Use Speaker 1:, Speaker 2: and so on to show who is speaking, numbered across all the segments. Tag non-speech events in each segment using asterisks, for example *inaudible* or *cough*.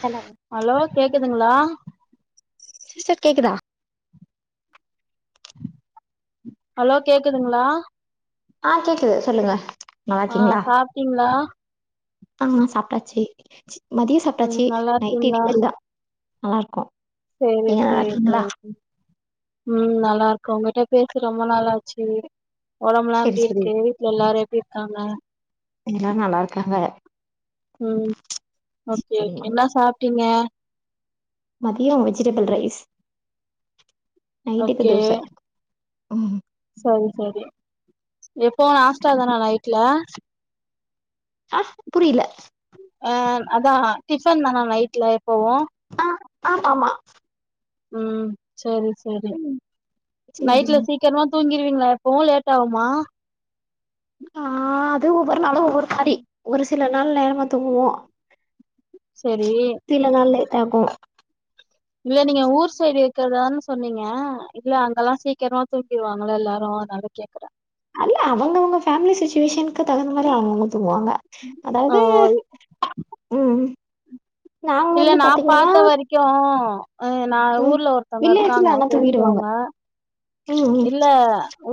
Speaker 1: Hello
Speaker 2: hello கேக்குதுங்ளா
Speaker 1: sister கேக்குதா
Speaker 2: hello கேக்குதுங்ளா
Speaker 1: ஆ கேக்குது சொல்லுங்க நல்லா
Speaker 2: ஆ
Speaker 1: இருக்கீங்ளா
Speaker 2: சாப்ட்டீங்களா
Speaker 1: ஆ சாப்ட்டாச்சி மதியோ
Speaker 2: ம்
Speaker 1: சாப்ட்டாச்சி
Speaker 2: நல்லா
Speaker 1: நைட்டு
Speaker 2: இருக்கீங்களா
Speaker 1: இனிமேல் தா நல்லா இருக்கோ
Speaker 2: சேரி
Speaker 1: நீங்க நல்லா
Speaker 2: சேரி
Speaker 1: இருக்கீங்களா
Speaker 2: சேரி சேரி ம் நல்லா இருக்கோ ஒங்கட்ட பேசி ரொம்ப நாள் ஆச்சி ஒடம்பெல்லா
Speaker 1: செரி
Speaker 2: எப்டி
Speaker 1: செரி
Speaker 2: இருக்கு எல்லாரு எப்டி இருக்காங்க
Speaker 1: எல்லா நல்லா இருக்காங்க
Speaker 2: ம் ஓகே ஓகே
Speaker 1: சரிமா
Speaker 2: என்ன சாப்ட்டீங்க
Speaker 1: மதியோ வெஜிடபுள் ரைஸ் நைட்டுக்கு
Speaker 2: ஓகே
Speaker 1: தோச ம்
Speaker 2: சரி சரி எப்பவு நாஸ்டா தானா நைட்ல
Speaker 1: ஆ புரியல
Speaker 2: ஆ அதா டிஃபன் தானா நைட்ல எப்பவு
Speaker 1: ஆ ஆம் ஆமா
Speaker 2: ம் சரி சரி
Speaker 1: ம் சேரிங்க
Speaker 2: நைட்ல சிக் கிரமா தூங்கிருவீங்களா எப்பவு லேட் ஆவுமா
Speaker 1: ஆ அது ஒவ்வொரு நாளு ஒவ்வொரு மாறி
Speaker 2: ம்
Speaker 1: ஒரு சில நாள் நேரமா தூங்குவோ
Speaker 2: சேரி
Speaker 1: சில நாள் லேட் ஆகு
Speaker 2: இல்ல நீங்க ஊர் சைடு இருக்கிறதா தான சொன்னீங்க இல்ல அங்கெல்லா சீக்கிரமா தூங் கீருவாங்கல்ல எல்லாரு அதனாலதா கேக்குறே
Speaker 1: அல்ல அவங்கவுங்க ஃபேமிலி சுச்சிவேஷன் தகுந்த மாரி அவுங்க அவுங்க தூங்குவாங்க
Speaker 2: ஓ
Speaker 1: அதாவது ம் நாங்க
Speaker 2: இல்ல
Speaker 1: வந்து
Speaker 2: நா
Speaker 1: பாத்தீங்கன்னா
Speaker 2: பாத்த வரைக்கு ஆ நா
Speaker 1: ம்
Speaker 2: ஊர்ல ஒருத்தவங்க
Speaker 1: வில்லேஜ்ல
Speaker 2: இருக்காங்க
Speaker 1: அனுப்பிவிடுவாங்க.
Speaker 2: தெரிஞ்சவங்க
Speaker 1: ம், ம்,
Speaker 2: இல்ல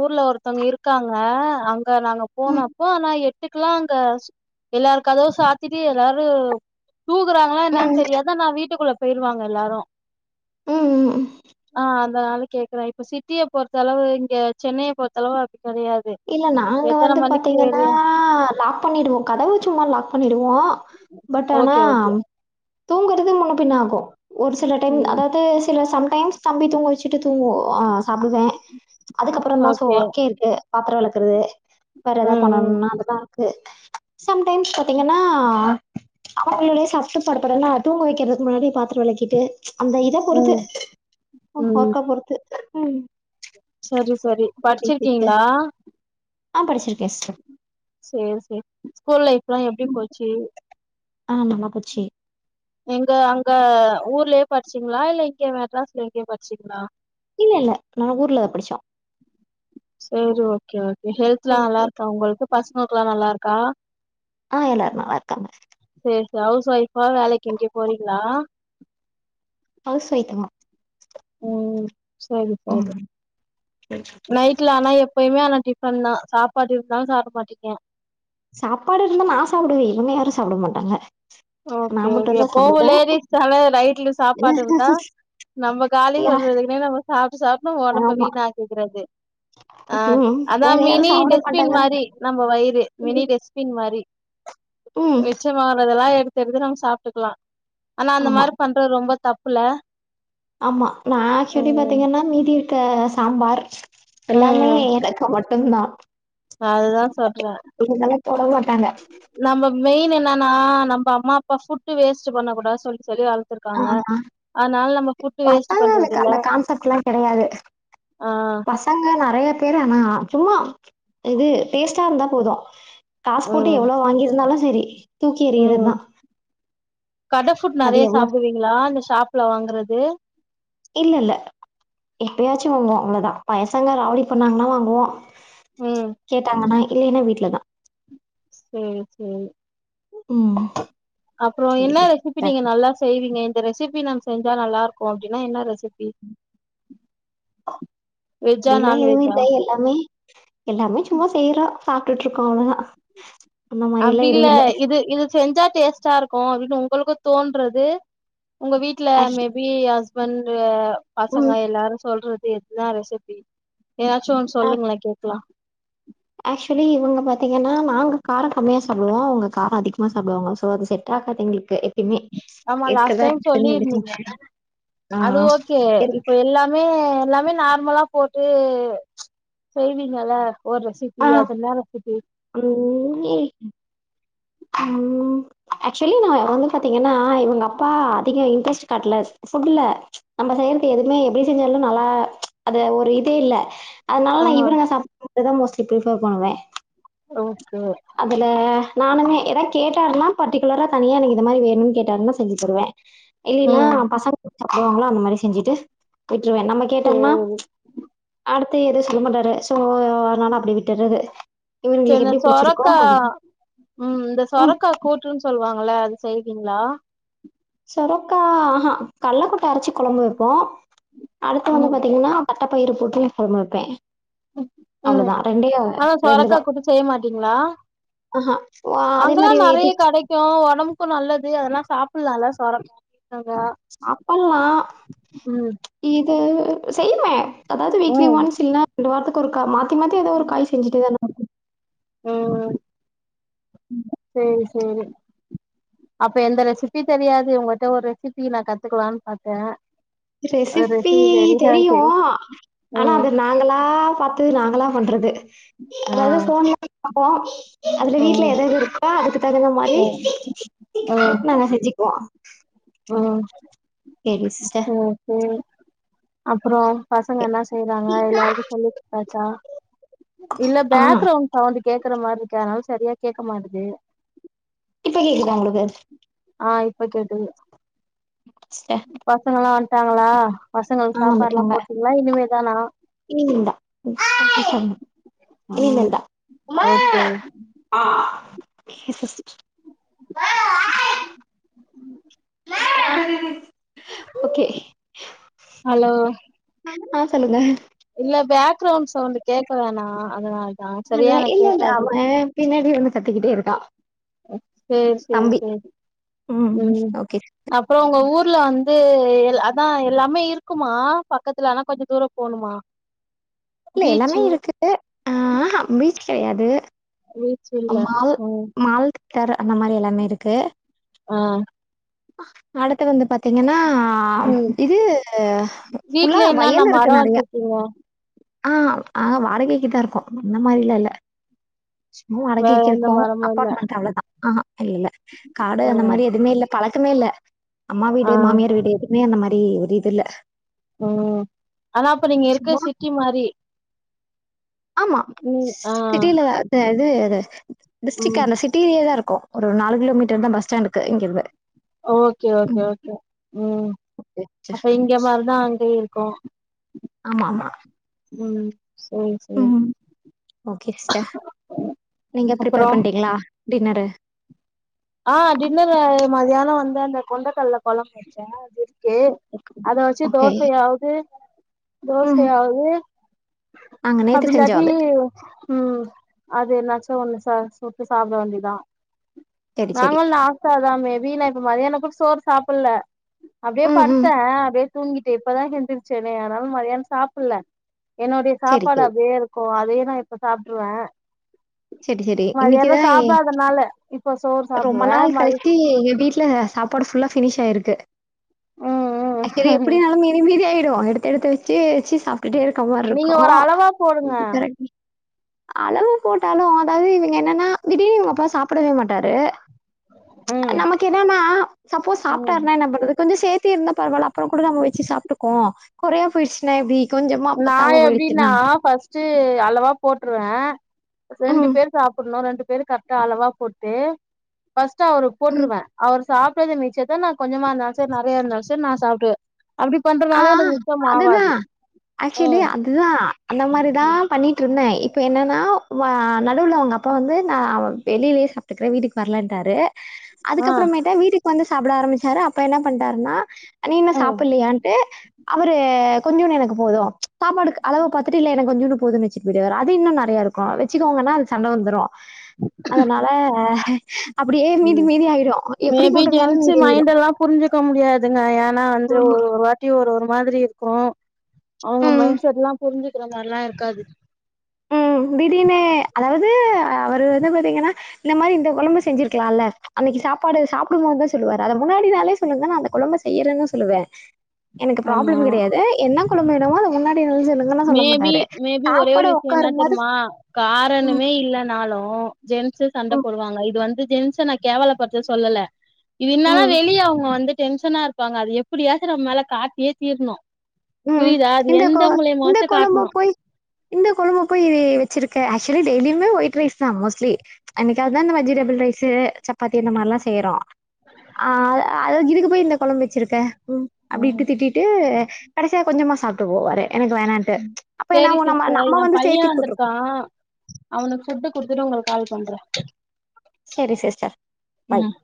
Speaker 2: ஊர்ல ஒருத்தவங்க இருக்காங்க அங்க நாங்க
Speaker 1: ம்,
Speaker 2: போனப்போ நா எட்டுக் குலா அங்க எல்லாரு கதவ சாத்திட்டு எல்லாரு தூங்குறாங்களா என்னான்னு
Speaker 1: ம்,
Speaker 2: தெரியாது ஆனா வீட்டுக்குள்ள போயிருவாங்க எல்லாரு
Speaker 1: ம் ம் ம்
Speaker 2: ஆ அதனால கேக்குறே இப்ப சிட்டிய பொறுத்த அளவு இங்க சென்னைய பொறுத்த அளவு அப்டி கெடையாது
Speaker 1: இல்ல நாங்க
Speaker 2: எத்தன
Speaker 1: வந்து
Speaker 2: மணிக்கு
Speaker 1: பாத்தீங்கன்னா
Speaker 2: வெளிய
Speaker 1: லாக் பண்ணிடுவோ கதவ சும்மா லாக் பண்ணிடுவோ பட் ஆனா
Speaker 2: ஓகே ஓகே
Speaker 1: தூங்குறது முன்ன பின்ன ஆகு ஒரு சில டைம்
Speaker 2: ம்
Speaker 1: அதாவது சில சம்டைம்ஸ் தம்பி தூங்க வச்சிட்டு தூங்குவோ ஒ ஆ சாப்டுவே அதுக்கப்பறோ தா சோ
Speaker 2: ஓகே
Speaker 1: ஒர்க்கே இருக்கு பாத்தரோ வெளக்குறது வேற
Speaker 2: ம்
Speaker 1: எதா
Speaker 2: ம்
Speaker 1: பண்ணணும்னா அதெல்லா இருக்கு சம்டைம்ஸ் பாத்தீங்கன்னா அவுங்களோடயே சாப்ட்டு படுக்கனுன்னா தூங்க வைக்கிறதுக்கு முன்னாடியே பாத்தரோ வெளக்கிட்டு அந்த இத பொறுத்து
Speaker 2: ம் ம்
Speaker 1: ஒர்க்க பொறுத்து ம்
Speaker 2: சரி சரி படிச்சிருக்கீங்ளா
Speaker 1: ஆ படிச்சிருக்கே சிஸ்ட.
Speaker 2: சேரி சேர் ஸ்கூல் லைஃப்லா எப்டி
Speaker 1: ம்.
Speaker 2: போச்சி?
Speaker 1: ஆ நல்லா போச்சி.
Speaker 2: எங்க அங்க ஊர்லியே பட்ச்சிங்ளா இல்ல இங்க மெட்ராஸ்ல எங்யோ பட்ச்சிங்ளா?
Speaker 1: இல்லல்ல நா ஊர்லதா படிச்சோ.
Speaker 2: சேரி ஓகே ஓகே. ஹெல்த்லா
Speaker 1: ஓகே.
Speaker 2: நல்லார்க்கா உங்களுக்கு பசங்களுக்லா நல்லாருக்கா?
Speaker 1: ஆ எல்லாரு நல்லாருக்காங்க.
Speaker 2: சேரி சே ஹவுஸ் ஒய்ஃப்ஃபா வேலைக்கு எங்யா போறிங்ளா?
Speaker 1: ஹவுஸ் ஒய்ஃப்தங்கோ.
Speaker 2: ம் ம் சரி சரி
Speaker 1: ம்.
Speaker 2: நைட்ல ஆனா எ ப்பிமே ஆனா டிஃபன் தா சாப்பாடு இருந்தாலு சாப்ட மாட்டிங்க?
Speaker 1: சாப்பாடு இருந்தா நா சாப்புடுவே. இவுங்க யாரு சாப்ட மாட்டாங்க.
Speaker 2: ஓகே
Speaker 1: நான்
Speaker 2: ஓகே
Speaker 1: மட்டும் தான்
Speaker 2: எப்பவு
Speaker 1: சாப்பிடுவேன்.
Speaker 2: லேடிஸ் நாலே ரைட்ல சாப்பாடு இருந்தா நம்ப காலி
Speaker 1: யா
Speaker 2: பண்றதுக்குனே நம்ப சாப்ட்டு சாப்ட்டு நம்ப ஒடம்ப
Speaker 1: ஆமா.
Speaker 2: வீண் ஆக்கிக்கிறது. ஆ
Speaker 1: ம்.
Speaker 2: அதா
Speaker 1: வேற யாரும்
Speaker 2: மினி
Speaker 1: சாப்பிட
Speaker 2: டெஸ்பின்
Speaker 1: மாட்டாங்கறாங்க.
Speaker 2: மாரி நம்ப வயிறு மினி டெஸ் பின் மாரி
Speaker 1: ம்.
Speaker 2: மிச்சமாவறதெல்லா எடுத்து எடுத்து நம்ம சாப்ட்டுக்லா. ஆனா அந்த
Speaker 1: ஆமா,
Speaker 2: மாரி பண்றது ரொம்ப தப்புல?
Speaker 1: ஆமா நா ஏக்சுவலி
Speaker 2: ம்
Speaker 1: பாத்திங்கன்னா மீதி இருக்க சாம்பார் எல்லாமே
Speaker 2: ம்
Speaker 1: எனக்கு மட் டுந்தா
Speaker 2: அதுதா
Speaker 1: இவுங்கள்லா தொட மாட்டாங்க.
Speaker 2: நம்ப மெயின் என்னனா நம்ப அம்மா அப்பா ஃபுட்டு வேஸ்ட்டு பண்ண கூடா சொல்லி சொல்லி வள
Speaker 1: ஆ
Speaker 2: த்துருக்காங்க அதனால நம்ம ஃபுட்டு வேஸ்ட்டு
Speaker 1: பசங்களுக்கு
Speaker 2: பண்றதில்ல.
Speaker 1: அந்த கான்செப்ட்லாம் கிடையாது.
Speaker 2: அ.
Speaker 1: பசங்க நறைய பேர் ஆனா சும்மா இது டேஸ்ட்டா இருந்தா போது காசு போட்டு
Speaker 2: ம்
Speaker 1: எவ்ளோ வாங்கிருந்தாலு செரி தூக்கி எறியறத்தா.
Speaker 2: கடை ஃபுட் நறைய
Speaker 1: எவ்ளோ
Speaker 2: சாப்டுவிங்ளா இந்த ஷாப்ல வாங்கறது.
Speaker 1: இல்லல்ல எப்பயாச்சு வாங்குவோ அவ்ளதா பயசாங்க ராவுடி பண்ணாங்ன்னா வாங்குவோ.
Speaker 2: ம்
Speaker 1: கேட்டாங்கன்னா இல்லினா வீட்ல தா.
Speaker 2: சேரி சேரி.
Speaker 1: ம்.
Speaker 2: அப்றோ
Speaker 1: சரி
Speaker 2: என்னா ரெசிபி
Speaker 1: சிஸ்டர்.
Speaker 2: நீங்க நல்லா செய்விங்க இந்த ரெசிபி நான் செஞ்சா நல்லாருக்கு அப்டினா என்னா ரெசி வெஜ்ஜா
Speaker 1: அப்டில்லா எதுவு
Speaker 2: நான்வெஜ்ஜா
Speaker 1: இல்ல எல்லாமே எல்லாமே சும்மா செய்றோ சாப்ட்டுட்ருக்கோ அவ்ளோதா.
Speaker 2: அப்டி இல்ல இது இது செஞ்சா டேஸ்ட்டா இருக்கு அப்பினு உங்களுக்கு தோன்றது உங்க வீட்ல
Speaker 1: ஆக்சு
Speaker 2: மேபி ஹஸ் பண்ர பசங்க
Speaker 1: ம்.
Speaker 2: எல்லாரு சொல்றது எதுனா ரெசிபி எதாச்சு ஒன் சொல்லுங்ளே கேக்லா.
Speaker 1: ஏக்சுவலி இவுங்க பாத்திங்கன்னா நாங்க காரோ கம்மியா சாப்டுவோ இவுங்க காரோ அதிகமா சாப்டுவாங்கோ சோ அது செ ட்டாகாது எங்குளுக்கு எ
Speaker 2: ஆமா லாஸ்ட் டைம் சொல்லிருந்திங்க
Speaker 1: ஆ.
Speaker 2: அது ஓகே
Speaker 1: இரு
Speaker 2: இப்ப எல்லா மே எல்லாமே நார்மலா போட்டு செய்வீங்கள்ல. ஓர் ரெசிபி அது என்னா ரெசிபி?
Speaker 1: உம் உம் ஏக்சுவலி நா வந்து பாத்திங்கன்னா இவுங்க அப்பா அதிகோ இன்ட்ரெஸ்ட் காட்ல ஃபுட்டுல. நம்ப செய்றது எதுவுமே எப்டி செஞ்சாலு நல்லா அத ஒரு இதே இல்ல. அதுனால
Speaker 2: ஆ
Speaker 1: நா இவுர நா *inaudible* மோஸ்ட்லி பிரிஃபே பண்ணுவே.
Speaker 2: ஓகே ஓ
Speaker 1: அதுல நானுமே எதா கேட்டாருனா பர்டிகுலர தனியா எனக்கு இது மாதிரி வேணுன் கேட்டாருனா செஞ்சு தருவே. இல்லினா
Speaker 2: ம்
Speaker 1: பசங்க *inaudible* அந்த மாரி செஞ்சிட்டு விட்ருவே நம்ம கேட்டம்னா
Speaker 2: சேரி
Speaker 1: அடுத்து எது சொல்ல மாட்டாரு சோ அதனால அப்டே விட்டர்றது இவுனுங்களுக்கு எப்டி புடிச்சிரு
Speaker 2: கா ம் இந்த சொரக்கா கூற்றுன் சொல்லுவாங்கள அது செய்வீங்ளா
Speaker 1: சொரக்கா ஆஹா கள்ளக்கொட்ட அரச்சி கொழம்பு வப்போ அடுத்து வந்து
Speaker 2: ம்
Speaker 1: பாத்தீங்னா தட்டப்பயிறு போட்டு கொழம்பு வப்பே
Speaker 2: ம்
Speaker 1: அவ்ளதா ரெண்டே
Speaker 2: ஆனா சொரக்கா
Speaker 1: ரெண்டுதா
Speaker 2: கூட்டு செய்ய மாட்டீங்களா
Speaker 1: ஆஹா ஓ அதே
Speaker 2: அங்கல்லா
Speaker 1: மாரி இது
Speaker 2: நெறைய கெடைக்கு ஒடம்புக்கு நல்லது அதெலா சாப்பில்லா இல்ல சொரக் கங்கா
Speaker 1: சாப்பல்லா இது செய்வே அதாவது வீக்லி
Speaker 2: ம்
Speaker 1: ஒன்ஸ் இல்னா ரெண்டு வாரத்துக்கு ஒருக்கா மாத்தி மாத்தி எதாவொரு காய் செஞ்சிட்டேதானா
Speaker 2: ம்
Speaker 1: ம்
Speaker 2: சேரி சேரி அப்ப எந்த ரெசிபி தெரியாது உங்கட்ட ஒரு ரெசிபி நா கத்துக்லான் பாத்தே ஒரு
Speaker 1: ரெசிபி தெரியு
Speaker 2: தெரியாது
Speaker 1: ஆனா
Speaker 2: ம்
Speaker 1: அத நா நாங்களா பாத்து நாங்களா பண்றது
Speaker 2: ஆ
Speaker 1: அதாவது ஃபோன்ல பாப்போ அதுல வீட்ல
Speaker 2: ம்
Speaker 1: எது எது இருக்கோ அதுக்கு தகுந்த மாரி
Speaker 2: ம் ம்
Speaker 1: நாங்க செஞ்சிக்வோ
Speaker 2: ம்
Speaker 1: செரி சிஸ்டர்
Speaker 2: ம் சே அப்றோ பசங்க என்னா செய்றாங்க எல்லாருக்கு சொல்லி ட்டாச்சா இல்ல
Speaker 1: ஆ
Speaker 2: பேக்ரவுண்ட் சவுந்து கேக்கற மார்ருக்கு அதனால சரியா கேக்க மாட்டுதே
Speaker 1: இப்ப கேக்குதா ஒங்ளுக்கு
Speaker 2: ஆ இப்ப கேக்குது
Speaker 1: ச்ட்ட
Speaker 2: பசங்கலா வன்ட்டாங்களா பசங்கள்
Speaker 1: ஆ
Speaker 2: சாப்பாட்லாம் போட்டீங்ளா இனிமேதானா
Speaker 1: *unintelligible*
Speaker 2: ம்
Speaker 1: இனிமேல்தா
Speaker 2: ஓகே
Speaker 1: ஆ ஓகே
Speaker 2: அலோ
Speaker 1: ஆ சொல்லுங்க
Speaker 2: இல்ல பேக்ரவுண்ட் சவுண்டு கேக்க வேணா அதனால்
Speaker 1: அ இல்ல இல்ல அவ பின்னாடி வந்து கத்திகிட்டே இருக்கா
Speaker 2: சேரி சேரி
Speaker 1: தம்பி
Speaker 2: சே ம் அப் ப்றோ ஒங்க ஊர்ல வந்து எல் அதா எல்லாமே இருக்குமா பக்கத்துல ஆனா கொஞ்ச தூர போணுமா
Speaker 1: இல்ல எல்லாமே
Speaker 2: பீச்சு
Speaker 1: இருக்கு ஆ ஆஹா பீச் கெடையாது
Speaker 2: பீச்சு இல்ல
Speaker 1: அம்மால்
Speaker 2: ம்
Speaker 1: மால் தேர்ர அந்த மாரி எல்லாமே இருக்கு
Speaker 2: ஆ
Speaker 1: அடுத்து வந்து பாத்தீங்கனா
Speaker 2: ம்
Speaker 1: இது ஃபுல்லா வயல் இருக்கு நெறையா
Speaker 2: இவா
Speaker 1: ஆ அஹா வாடகைக்குதா இருக்கோ இந்த மாரிலா இல்ல சும்மா
Speaker 2: வேற எந்த
Speaker 1: வாடகைக்கிருக்கோ
Speaker 2: மரமு இல்ல
Speaker 1: அப்பார்ட்மெண்ட் அவ்ளதா ஆஹா இல்ல இல்ல காடு அந்த
Speaker 2: ம்
Speaker 1: மாரி எதுமே இல்ல பழக்கமே இல்ல அம்மா வீடு
Speaker 2: ஆ
Speaker 1: மாமியார் வீடு எதுமே அந்த மாரி ஒரு இது இல்ல
Speaker 2: ம் ஆனா அப்ப நீங்க இருக்க
Speaker 1: சும்மா
Speaker 2: சிட்டி மாரி
Speaker 1: ஆம்மா
Speaker 2: ம் ஆ
Speaker 1: சிட்டில அ இது அத டிஸ்டிரிக்கா
Speaker 2: ம்
Speaker 1: அந்த சிட் டிலியேதா இருக்கோ ஒரு நாலு கிலோமீட்டர்தா பஸ் ஸ்டாண்டுக்கு இங்கிருந்து
Speaker 2: ஓகே ஓகே
Speaker 1: ம்.
Speaker 2: ஓகே ம்
Speaker 1: ஓகே சிஸ்டர்.
Speaker 2: அப்ப இங்க மார்தா அங்கியு இருக்கு
Speaker 1: ஆமா ஆமா
Speaker 2: ம் சேரி சேரி
Speaker 1: ம் ஓகே சிஸ்டர் நீங்க ப்ரிப்பேர்
Speaker 2: அப்புறோ
Speaker 1: பண்டிங்ளா டின்னரு
Speaker 2: ஆ டின்னரு மதியான வந்து அந்த கொண்டக்கல்ல கொழம்பு வச்சே அது இருக் கே அத வச்சு
Speaker 1: ஓகே.
Speaker 2: தோசயாவ்து
Speaker 1: ம்.
Speaker 2: தோசயாவ்து
Speaker 1: நாங்க நேத்து செஞ்சோம்
Speaker 2: அப்டிலாட்டி
Speaker 1: அது.
Speaker 2: உம் அது என்னாச்சு ஒண்ணு ச சுட்டு சாப்ட வேண்டிதா
Speaker 1: சரி, சரி.
Speaker 2: நாங்களு லாஸ்டாதா மே பி நா இப்ப மதியான கூட சோறு சாப்பில அப்டியே
Speaker 1: ம், ம்.
Speaker 2: படுத்தே அப்டியே தூங்கிட்டு இப்பதா எந்திருச்சேனே அதனால மதியான சாப்புல்ல என்னுடைய
Speaker 1: சரி,
Speaker 2: சாப்பாடு
Speaker 1: சரி.
Speaker 2: அப்டியே இருக்கு அதயே நா இப்ப சாப்ட்ருவே
Speaker 1: சரி, சரி. இன்னைக்கு
Speaker 2: மதியனோ
Speaker 1: தான்
Speaker 2: சாப்டாதனால இப்ப சோறு
Speaker 1: ரொம்ப
Speaker 2: சாப்டுவே
Speaker 1: நாள்
Speaker 2: மதி
Speaker 1: கழிச்சி எங்க வீட்டுல சாப் பாடு ஃபுல்லா ஃபினிஷ் ஆயிருக்கு
Speaker 2: ம்
Speaker 1: செரி
Speaker 2: ம்
Speaker 1: எப்டினாலு மீதி மீதி ஆயிடு எடுத் எடுத்து வச்சு வச்சு சாப்பிட்டே இருக்க
Speaker 2: நீங்க
Speaker 1: மாரிருக்கு
Speaker 2: ஒரு அளவா போடுங்க
Speaker 1: இன்னைக்கி கரெக் அளவா போட்டாலு அதாவது இவுங்க என்னன்னா தீடீர்னு இவுங்க அப்பா சாப்டவே மாட்டாரு
Speaker 2: ம்
Speaker 1: நமக்கு என்னான சப்போஸ்
Speaker 2: ம்
Speaker 1: சாப்டாருனா என்ன பண்றது கொஞ்சோ சேத் தி இருந்த பரவால அப்பற கூட நம்ம வச்சு சாப்டுக்கோ கொறைய போயிச்சுனா எப்டி கொஞ்சமா
Speaker 2: நா
Speaker 1: பத்தாம
Speaker 2: எப்டினா
Speaker 1: போயிடுச்சுன்னா?
Speaker 2: ஃபஸ்ட் டு அளவா போட்டுருவே ரெண்டு
Speaker 1: ம்.
Speaker 2: பேர் சாப்டணு ரெண்டு பேரு கரெ க்டா அளவா போட்டு ஃபஸ்ட்டு அவரு
Speaker 1: ம்.
Speaker 2: போட்டுருவே அவரு சாப்டறது மிச்சத்த நா கொஞ்சமா இருந்தால் சர் நெறைய இருந்தாலும் சர் நா சாப்டுவே அப்டி பண்றதுனாலயே எனக்கு மிச்சம் ஆவாது
Speaker 1: ஆக்சுலி
Speaker 2: ம்
Speaker 1: அதுதா அந்த மாறிதா பண்ணிட் ட்ருந்தே இப்ப என்னன்னா வா நடுவுல அவுங்க அப்பா வந்து நா வெளிலயே சாப்ட்டுக்குறே வீட்டுக்கு வரலன்ட்டாரு
Speaker 2: ஆ
Speaker 1: அதுக்கப்பறமேட்டா வீட்டுக்கு வந்து சாப்ட ஆரம்பிச்சாரு அப்ப என்ன பண்ட்டாருன்னா நீ இன்னு சாப்புட்லயான் அவரு கொஞ்சுன்னு எனக்கு போது சாப்பாடுக்கு அளவ பாத்துட்டு இல்ல எனக்கு கொஞ்சுன்னு போது மிச் வச்சுட்டு போயிடுவாரு அது இன்னு நெறயா இருக்கு வச்சுக்கோங்கனா அதுக் சண்ட வந்துரு அதனால அப்படியே மீதி மீதி ஆயிடும். எப்படி
Speaker 2: மேபி
Speaker 1: போட்டிருந்தாலும்
Speaker 2: ஜென்ஸ்
Speaker 1: மீதி
Speaker 2: மைண்ட்
Speaker 1: ஆயிடும்.
Speaker 2: எல்லா புரிஞ்சுக்க முடியாதுங்க ஏனா வந்து
Speaker 1: ஆமா.
Speaker 2: ஒரு வார் தியு ஒரு ஒரு மாதிரி இருக்கு அவுங்க
Speaker 1: ம்.
Speaker 2: மைண்ட செட்ல்லா புரிஞ்சுக்கிற மாரிலா இருக்காது
Speaker 1: ம் திடீர்னு அதாவது அவரு வந்து பாத்தீங்கனா இந்த மாரி இந்த கொழம்பு செஞ்சிருக்கலால அன்னைக்கி சாப்பாடு சாப்டுபோதுதா சொல்லுவாரு அத முன்னாடி நாளே சொல்லுங்க நா அந்த கொழம்ப செய்றேனு தா சொல்லுவே எனக்கு
Speaker 2: ஆமா
Speaker 1: ப்ராப்ளம் கெடயாது என்ன கொழம்பு வேணுமோ அத முன்னாடி நாளே சொல்லுங்க
Speaker 2: மேபி மேபி ஒரே ஒரு விஷயோ என்ன
Speaker 1: உட்காரும்போது
Speaker 2: தெரிமா
Speaker 1: ம்,
Speaker 2: காரணமே இல்லன்னாலு ஜென்ஸூ சண்ட
Speaker 1: ம்,
Speaker 2: போடுவாங்க இது வந்து ஜென்ஸ நா கேவலப்படுத்த சொல்லல இது என்னனா
Speaker 1: ம்,
Speaker 2: வெளிய அவுங்க வந்து டென்ஷனா இருப்பாங்க அது எப்டியாச்சு நம்ம மேல காட்டியே தீரணு
Speaker 1: ம்.
Speaker 2: புரியுதா அது
Speaker 1: இந்த கொ
Speaker 2: எந்த
Speaker 1: இந்த
Speaker 2: மூலியமாவாச்சு
Speaker 1: குழம்ப
Speaker 2: காட்ணு
Speaker 1: போய் இந்த கொழம்பபோய் வச்சிருக்க ஆக்சுவலி டெய்லிமே ஒயிட் ரைஸ் தா மோஸ்ட்லி என்னைக்காவதுதா இந்த வெஜிடபிள் ரைஸு சப்பாத்தி இந்த மாரில்லா செய்றோ ஆஹ் அ அதா இதுக்கு போய் இந்த கொழம்பு வச்சிருக்க
Speaker 2: ம்
Speaker 1: அப்டின்ட்டு திட்டிட்டு கடசியா கொஞ்சமா சாப்ட்டு போவாரு எனக்கு வேணான்ட்டு அப்ப
Speaker 2: சேரி
Speaker 1: என்னாவோ நம
Speaker 2: சிஸ்டர்
Speaker 1: நம்ம
Speaker 2: எ
Speaker 1: வந்து
Speaker 2: பைய
Speaker 1: சேத்தி போட்டுருபோ
Speaker 2: வந்திருக்கா அவனுக்கு ஃபுட்டு குடுத்துட்டு உங்களுக்கு கால் பண்றே
Speaker 1: செரி சிஸ்டர் பாய்
Speaker 2: ம் ஹ